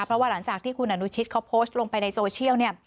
เพราะว่าหลังจากที่คุณอนุชิตเขาโพสต์ลงไปในโซเชียลเนี่ย